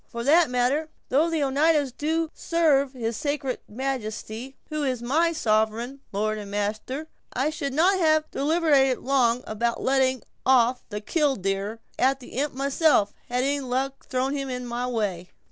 For that matter, though the Oneidas do serve his sacred majesty, who is my sovereign lord and master, I should not have deliberated long about letting off 'killdeer' at the imp myself, had luck thrown him in my way."